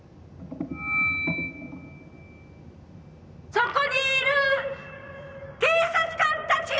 「そこにいる警察官たちよ！」